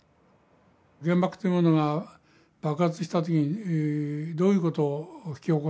原爆というものが爆発した時にどういうことを引き起こすのか。